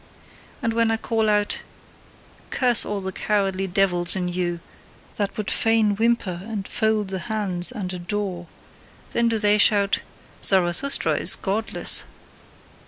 And when I call out: "Curse all the cowardly devils in you, that would fain whimper and fold the hands and adore" then do they shout: "Zarathustra is godless."